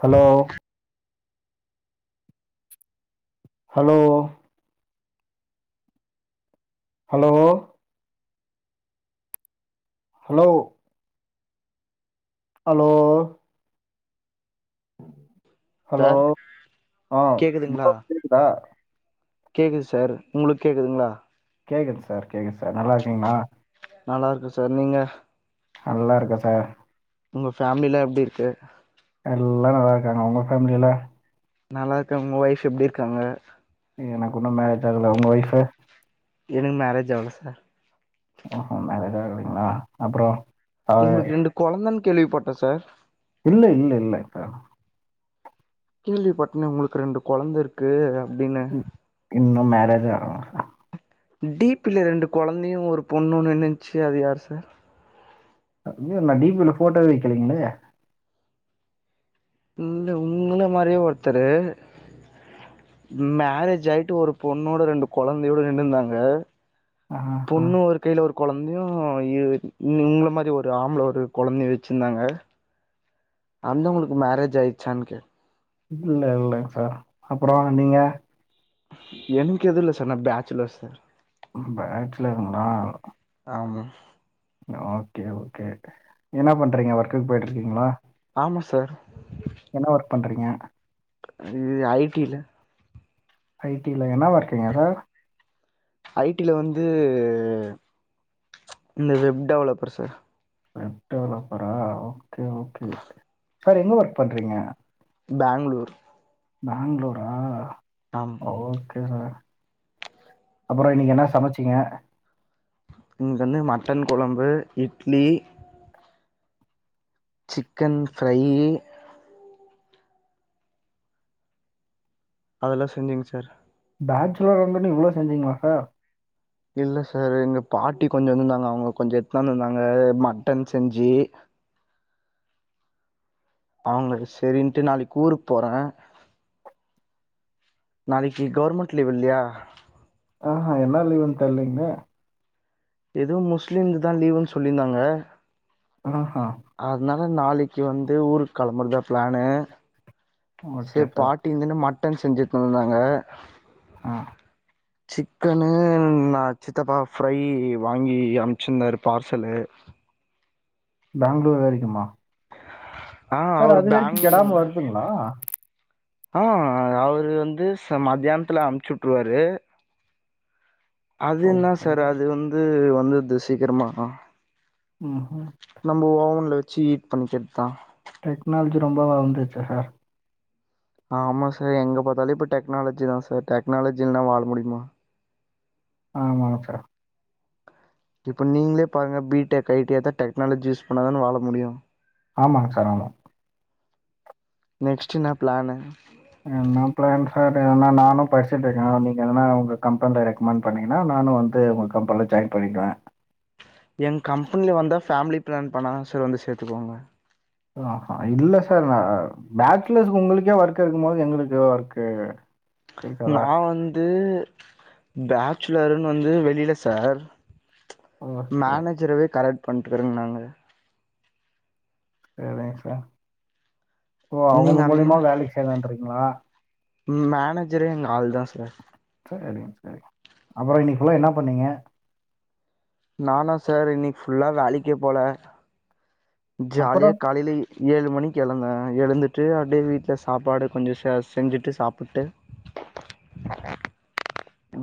Hello hello hello hello hello hello sir ஆ கேக்குதுங்களா bro கேக்குதா கேக்குது சார் உங்களுக்கு கேக்குதுங்களா கேக்குது சார் கேக்குது சார் நல்லா இருக்கீங்களா நல்லா இருக்க சார் நீங்க நல்லா இருக்க சார் உங்க ஃபேமிலிலாம் எப்பிடி இருக்கு எல்லாம் நல்லா இருக்காங்க உங்க ஃபேமிலில நல்லா இருக்கே உங்க ஒய்ஃப் எப்பிடி இருக்காங்க எனக்கு உன்னும் மேரேஜ் ஆகல உங்க வைஃப் எனக்கு மேரேஜ் ஆவல சார் ஓஹோ மேரேஜா ஆகலீங்களா அப்பறம் உங்களுக்கு ரெண்டு கொழந்தன்னு கேள்விப்பட்டேன் சார் இல்ல இல்ல இல்ல அக்கா கேள்விப்பட்டேனே உங்களுக்கு ரெண்டு கொழந்தை இருக்கு அப்பிடின்னு இன்னும் மேரேஜ் ஆ டீப்ல ரெண்டு கொழந்தையும் ஒரு பொண்ணுன்னு நின்னுச்சு அது யாரு சார் அய்யோ நான் டிபில போட்டோவே வைக்கலீங்களே இல்ல உங்கள மாரியே ஒருத்தரு மேரேஜ் ஆயிட்டு ஒரு பொண்ணோட ரெண்டு கொழந்தையோடு நின்னுருந்தாங்க ஆஹா பொண்ணு ஒரு கையில் ஒரு கொழந்தையும் உங்கள மாரி ஒரு ஆம்பளை ஒரு கொழந்தை வச்சிருந்தாங்க அந்த பொன்னுக்கு மேரேஜ் ஆயிடுச்சானு கே இல்ல இல்லலைங்க சார் அப்பறம் நீங்க எனக்கு எதிர்ல சார் நான் பேச்சுலர்ஸ் பேட்ல இருங்களா ஆமா ஓகே ஓகே என்ன பண்றீங்க ஒர்க்குக்கு போய்ட்டு இருக்கீங்களா ஆமாம் சார் பண்றீங்க இது ஐடி ல ஐடில என்னவா இருக்கீங்க சார் ஐடில வந்து வெப் டெவலப்பர்ஸ் டெவலப்பரா ஓகே ஓகே சரி எங்க ஒர்க் பண்றீங்க பேங்களூர் பேங்களூரா ஆம் ஓகே அப்பறம் இன்னிக்கு என்ன சமைச்சீங்க இன்னிகக்கு வந்து மட்டன் கொழம்பு இட்லி சிக்கன் ஃப்ரை அதெல்லாம் செஞ்சீங்க சார் பேட்சுலரா இருந்துட்டு இவ்ளோ செஞ்சிங்களா சார் இல்ல சார் எங்க பாட்டி கொஞ்சம் நின்னுருந்தாங்க அவுங்க கொஞ்சம் எடுத்து வந்திருந்தாங்க மட்டன் செஞ்சு அவுங்க சரிங்ட்டு நாளைக்கு ஊருக்கு போறேன் நாளைக்கு கவர்மெண்ட் லீவ் இல்லையா ஆஹா என்னா லீவுனு தெரிலிங்களே இதுவும் முஸ்லிம்ங்குதான் லீவுன்னு சொல்லிருந்தாங்க ஆஹா அதனால நாளைக்கு வந்து ஊருக்கு களம்புறதா பிளானு ஓகே சரி சார். பாட்டி இருந்துன்ன மட்டன் செஞ்சுட்டு இருந்தாங்க ஆ சிக்கன்னு நான் சித்தப்பா ஃப்ரை வாங்கி அமிச்சிருந்தாரு பார்சலு பேங்களூர் வரைக்குமா ஆ சார் அவரு அது வரைக்கும் பேங்களூர் கெடாம வருதுங்களா ஆ அவுரு வந்து ச மதியானத்துல அனுப்புச்சு வுட்டுருவாரு அது என்னா ஓகே. சார் அது வந்து வந்துருது சீக்கிரமா ம்ஹ்ம். நம்ம ஓவன்ல வச்சு ஹீட் பண்றதுதான் டெக்னாலஜி ரொம்ப வளர்ந்துருச்சு சார் ஆமாம் சார் எங்க பாத்தாலும் இப்ப டெக்னாலஜி தான் சார் டெக்னாலஜி இல்லனா வாழ முடியுமா ஆமா சார் இப்ப நீங்களே பாருங்க பீடெக் ஐடியா தான் டெக்னாலஜி யூஸ் பண்ணாதான வாழ முடியும் ஆமாங் சார் ஆமா நெக்ஸ்ட் இன்னா பிளாணு என்ன பிளான் சார் நா நானும் படிச்சுட்டு இருக்கே நீங்க எதனா உங்க கம்பெனில ரெக்கமண்ட் பண்ணிங்கன்னா நானு வந்து உங்க கம்பெனில ஜாயின் பண் பண்ணிக்குவேன் எங்க கம்பெனில வந்தா ஃபேமிலி பிளான் பண்ணா தான் சார் வந்து சேத்துக்குவாங்க ஆஹா இல்ல சார் நா பேட்சுலர்ஸ் உங்குளுக்கே ஒர்க் இருக்கும் போது எங்களுக்கு ஒர்க் நான் வந்து பேச்சுலருன்னு வந்து வெளியில சார் ஓகே. மேனேஜரவே கரெக்ட் பண்ணிட்டுருந்தாங்க சரிங்க சார் ஓ நீங்க அவுங்க அந்த மூலியமா வேலைக்கு சேர்லாறீங்களா மேனேஜரே எங்க ஆள் தான் சார் செரிங்க செரிங்க அப்பற இன்னைக்கு ஃபுல்லா என்ன பண்ணீங்க நானா சார் இன்னைக்கு ஃபுல்லா வேலைக்கே போல ஜாலியா அப்புறம் காலைலே ஏழு மணிக்கு எழந்தே எழுந்துட்டு அப்டியே வீட்ல சாப்பாடு கொஞ்ச செ செஞ்சுட்டு சாப்பிட்டு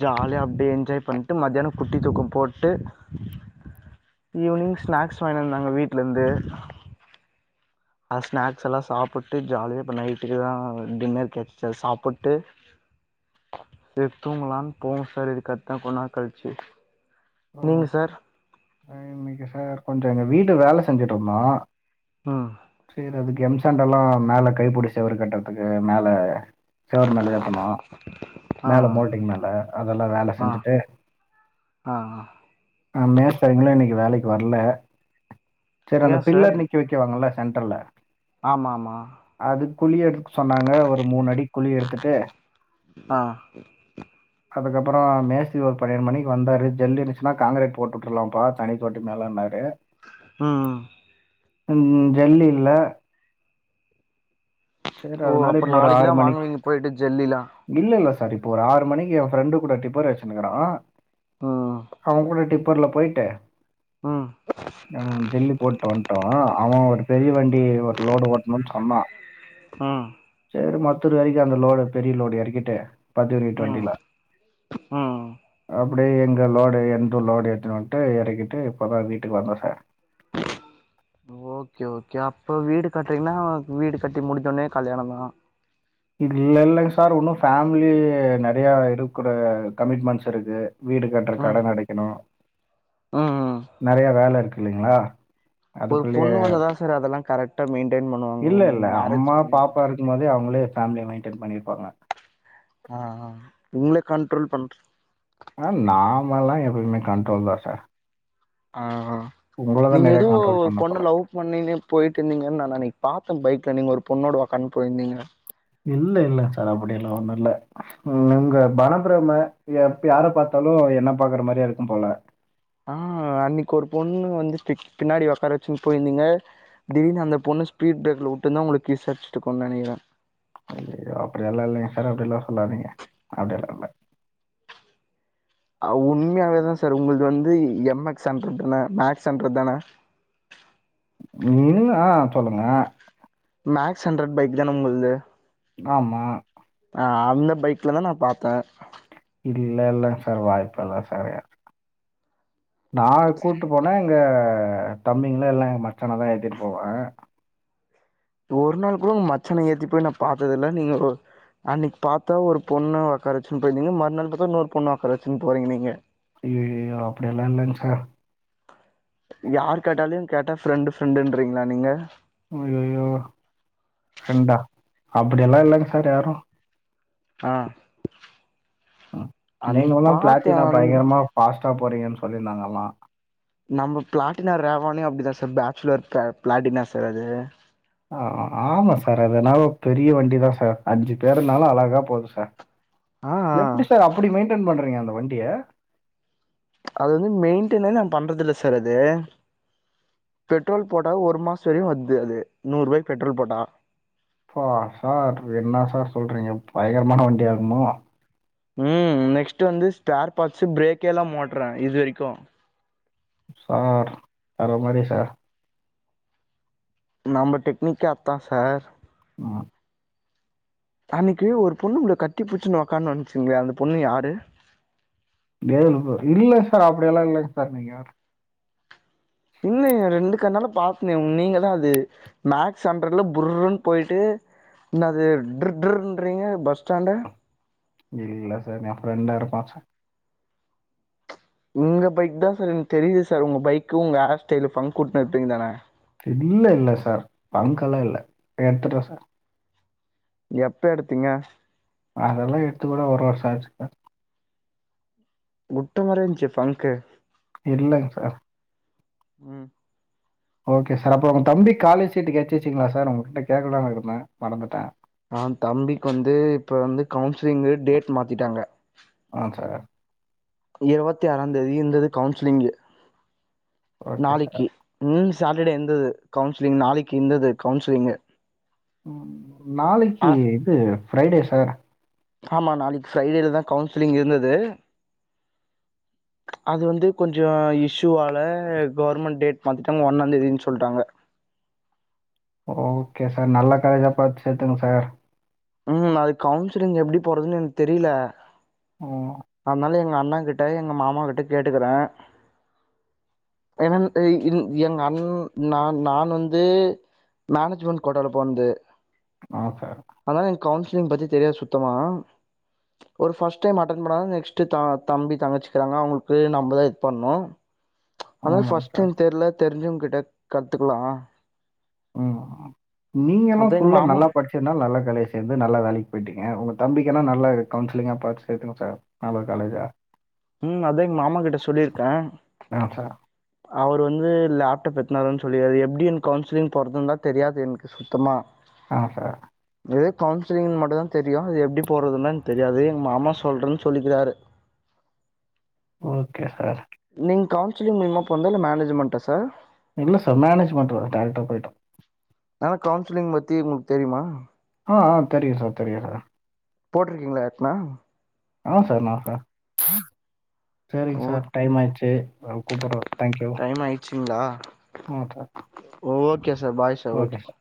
ஜாலியா அப்டியே என்ஜாய் பண்ட்டு மத்யான குட்டி தூக்க போட்டு ஈவ்னிங் ஸ்நாக்ஸ் வாங்கின்னு வந்தாங்க வீட்லருந்து அந்த ஸ்நாக்ஸெல்லா சாப்புட்டு ஜாலியா இப்ப நைட்டுக்கு எதா டின்னர் கெட்ச்சா சாப்புட்டு இது தூங்கலானு போனு சார் இதுக்கட்த்தா கொஞ்ச நேர கழிச்சு நீங்க சார் இன்னைக்கி சார் கொஞ்ச எங்க வீட்ட வேல செஞ்சிட்ருந்தோ ம் சேரி அது கெம் சாண்டெல்லா மேல கைப்புடி செவரு கட்றத்துக்கு மேல செவரு மேல ஏத்துனோ ஆ மேல மோல்டிங் மேல அதெல்லா வேல ஆ செஞ்சுட்டு ஆ ஆ ஆ மேஸ்தரிங்ளா இன்னைக்கு வேலைக்கு வர்ல செரி அந்த ஏ சார் பில்லர் நிக்க வைக்கவாங்கள்ல சென்டர்ல்ல ஆமா ஆமா அது குழி எடுக்க சொன்னாங்க ஒரு மூணு அடி குழி எடுத்துட்டு ஆ அதுக்கப்பறோ மேஸ்திரி ஒரு பனிரெண்டு மணிக்கு வந்தாரு ஜெல்லி இருந்துச்சுனா காங்கரேட் போட்டுவுட்றலாம்ப்பா தனி கோட்டுக்கு மேலனாரு ம் ம் ம் ம் ஜல்லி இல்ல சேரி ஓ அதுனால அப்போ இப்ப ஒரு நாளைக்கு ஆறு தா மணிக்கு வாங்குவீங்க போயிட்டு ஜெல்லிலா இல்லல்ல சார் இப்போ ஒரு ஆறு மணிக்கு எ ஃப்ரெண்டு கூட டிப்பர் அடிச்சுனுக்குறா ம் அவ கூட டிப் பர்ல போய்ட்டு ம் ஆ ஜெல்லி போட்டு வந்ட்டோ அவ ஒரு பெரிய வண்டி ஒரு லோடு ஓட்ணுன் சொன்னா ம் செரி மத்தூரு வரைக்கு அந்த லோடு பெரிய லோடு எறக்கிட்டு பத்து யூனிட் ம் வண்டில ம் ஆ அப்டியே எங்க லோடு எந்து லோடு ஏத்துனுவன்ட்டு எறக்கிட் டு இப்பதா வீட்டுக்கு வந்தோ சார் ஓகே ஓகே அப்ப வீடு கட்டுறீங்ன்னா வீடு கட்டி முடிஞ்சோனே கல்யாணந்தா இல்ல இல்லைங்க சார் உன்னு ஃபேம்லி நெறையா இருக்குற கமிட்மெண்ட்ஸ் இருக்கு வீடு கட்ற ம் கடன அடைக்கணு ம் ம் நெறைய வேல இருக்கு இல்லைங்ளா ஒரு பொண்ணு வந்தா தா சார் அதெல்லா கரெக்டா மெயின்ட் இல்ல இல்ல அம்மா பாப்பா இருக்கும் போதே அவ்ங்களே ஃபேம்லிய மெயின்டென் பண்ணிருப்பாங்க ஆ ஆ உங்ள கண்ட்ரோல் பண்ற ஆ நாமலா எப்பயுமே கண்ட்ரோல் தா சார் ஆ உங்கள தான் நீங்க நெறையா எதோ கண்ட்ரோல் ஒரு பண்ணணும் பொண்ண போல. லவ் பண்ணிட்டே போயிட்ருந்தீங்கன் நா நெனைக் பாத்தன் பைக்ல நீங்க ஒரு பொண்ணோட ஒக்காந்டு போய்ருந்தீங்க இல்ல இல்ல சார் அப்டியெல்லா ஒன்னு இல்ல உன் உங்க மன பிரம்ம எப் யார பாத்தாலு என்ன பாக்குற மாரியே இருக்கும் போல டிக் பின்னாடி ஒக்கார வச்சுன் போயிருந்தீங்க திடீர்னு அந்த பொண்ணு ஸ்பீட் பிரேக்ல வுட்ருந்தா ஒங்களுக்கு கிஸ் அடிச்சிட்ருக்குன் நெனைக்கிறே ஐயயோ அப்டியெல்லா இல்லைங்க சார் அப்டியெல்லா சொல்லாதீங்க அப்டியெல்லா இல்ல ஆ உண்மையாவே தா சார் உங்கள்து வந்து எம் எக்ஸ் ஹன்ட்ரு தான மேக்ஸ் ஹன்ட்ரு தான இல் ஆ சொல்லுங்க மேக்ஸ் ஹண்ட்ரட் பைக் தான உங்கள்து ஆமா ஆ அந்த பைக்ல தா நா பாத்தே இல்ல இல்ல சார் வாய்ப்பு இல்ல சாரே நா கூட்டு போனா எங்க தம்பிங்கள இல்லனா எங்க மச்சானதா ஏத்திட்டு போவே ஆ ஒரு நாள் கூட உன் மச்சான ஏத்திட் போய் நா பாத்தது இல்ல நீங்க அன்னைக்கி பாத்தா ஒரு பொண்ண ஒக்கார வெச்சுன்னு போயிருந்தீங்க மறுநாள் பாத்தா இன்னொரு பொண்ண உக்காரவெச்சினு போறீங்க நீங்க ஏ அப்படி எல்லா இல்லைங் சார் யார் கேட்டாலுயு கேட்டா ஃப்ரெண்டு ஃப்ரெண்டு இன்றீங்களா நீங்க ஐயய்யோ ஃபிரண்டா அப்டி எல்லா இல்லைங் சார் யாரு ஆ ம் நீங்க அன்னைக்கு எல்லா பாத்தே பிளாட்டினா அன் பயங்கரமா ஃபாஸ்ட்டா போறீங்கன்னு சொல்லியிருந்தாங்க எல்லா நம்ப பிளாட்டினா ரேவானே அப்டிதா சார் பேச்சுலர் பிள பிளாட்டினா சார் அது ஆ ஆமா சார் அது நாவோ பெரிய வண்டிதா சார் அஞ்சு பேருனாலு அழகா போகுது சார் ஆ ஆ எப்டி சார் அப்டி மெயின்டென் பண்றீங்க அந்த வண்டிய அது வந்து மெயின்டெனே நா பண்றதில்ல சார் அது பெட்ரோல் போட்டா ஒரு மாசோ வரையு வருது அது நூறு ரூபாய்க்கு பெட்ரோல் போட்டா அப்பா சார் என்ன சார் சொல்றீங்க பயங்கரமான வண்டியா இருக்குமோ ம் நெக்ஸ்ட் வந்து ஸ்பேர் பார்ட்ஸ் பிரேக்கே இல்லாம ஒட்றே இது வரைக்கும் சார் வேற மாரி சார் நம்ம டெக்னிக்கே அத்தா சார் ம். அன்னைக்கு ஒரு பொண்ணு உங்கள கட்டி புடுச்சுனு ஒக்காந்து வந்துச்சிங்களே அந்த பொண்ணு யாரு இல்ல சார் அப்டியெல்லா இல்லைங் சார் நீங்க வேற இல்லைங்க ரெண்டு கண்ணாலே பாத்தேனே நீங்க தா அது மேக்ஸ் ஹண்டர்ல புர்ருன்னு போயிட்டு என்ன அது ட்ர்டிர்ன்றீங்க பஸ் ஸ்டாண்ட இல்ல சார் என்ஃபிரெண்டா இருப்பா சார் உங்க பைக் தா சார் எனக்கு தெரியுது சார் உங்க பைக்கு உங்க ஹேர் ஸ்டைல் பங்க் உட்னு இருப்பீங்க தானே இல்ல இல்ல சார் பங்க் எல்லா இல்ல எடுத்துட்டே சார் எப்ப எடுத்தீங்க அதெல்லா எடுத்து கூட ஒரு வருஷோ ஆச்சு சார் உட்ட மாரியே இருஞ்சே பங்க்கு இல்லங் சார் ம் ஓகே சார் அப்புறோ உங் தம்பி காலேஜ் சீட்டு கெட்ச்சிட்சிங்களா சார் உங்க கிட்ட கேட்கலாம்னு இருந்தே மறந்துட்டே ஆ தம்பிக்கு வந்து இப்ப வந்து கவுன்சிலிங் டேட் மாத்திட்டாங்க ஆ சார். இருவத்தி ஆறாம் தேதி இருந்தது கவுன்சிலிங்கு ஓகே சார். நாளைக்கு ம் சாட்டர்டே இருந்தது கவுன்சிலிங் நாளைக்கு இருந்தது கவுன்சிலிங்கு ம் நாளைக்கு ஆ இது ஃபிரைடே சார் ஆமா நாளைக்கு ஃபிரைடேல தா கவுன்சிலிங் இருந்தது அது வந்து கொஞ்சோ இஷ்யூவால கவர்மெண்ட் டேட் மாத்திட்டாங்க ஒன்னாந்தேதின்னு சொல்லிட்டாங்க ஓகே சார் நல்ல காலேஜா பாத்து சேத்துங்க சார் ம் அது கவுன்சிலிங் எப்டி போறதுன்னு எனக்கு தெரில உ ம் ம் அதனால எங்க அண்ணா கிட்ட எங்க மாமா கிட்ட கேட்டுக்குறே எ நன் இது எங் அண் நான் நான் வந்து மேனேஜ்மெண்ட் கோட்டால போனது ஆ சார் அதனால எனக்கு கவுன்சிலிங் பத்தி தெரியாது சுத்தமா ஒரு ஃபர்ஸ்ட் டைம் அட்டன் பண்ணாதா நெக்ஸ்ட்டு த தம்பி தங்கச்சிக்கிறாங்க அவுங்களுக்கு நம்பதா இத் பண்ணு அத்தா ஆமாங்க ஃபர்ஸ்ட் சார். டைம் தெரில தெரிஞ்சவங்கிட்ட கத்துக்கலாம் ம் நீங்க எல்லா எங்க ஃபுல்லா மாமா நல்லா படிச்சிதுனால நல்லா காலேஜ் சேந்து நல்லா வேலைக்கு போயிட்டீங்க உங்க தம்பிகெனா நல்ல கவுன்சிலிங்கா பாத்து சேத்துங்க சார் நல்ல காலேஜா ம் அதா எங்க மாமா கிட்ட சொல்லிருக்கே ஆ சார். அவர் வந்து லேப்டாப் எத்தனு வருது சொல்லி அது எப்டி என கவுன்சிலிங் போறது தா தெரியாது எனக்கு சுத்தமா அ சார் இதே கவுன்சிலிங் மட்டு தா தெரியு அது எப்டி போட்றதுன்னு தெரியாது எங்க மாமா சொல்றேன்னு சொல்லிர்காரு ஓகே சார் நீங்க கவுன்சிலிங் மூலிமா போன்த இல்ல மேனேஜ்மெண்ட்டா சார் இல்ல சார் மேனேஜ்மெண்ட்தா டேரெக்ட்டா போய்ட்ட ஆனா கவுன்சிலிங் பத்தி உங்ளுகு தெர்யுமா அ அ தெரியு சார் தெரியு சா போட்டிருக்கீங்களா எப்னா அ சார் நா செரிங் சார் ஓகே டைம் ஆச்சு நா கூப்டுற thank you time ஆயிடுச்சுங்களா [unintelligible] okay sir bye sir okay sir